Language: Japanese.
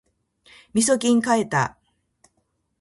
みそきん買えた